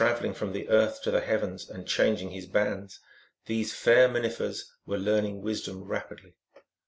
eling from the earth to the heavens and changing hus bands, these fair minevers were learning wisdom rap idly.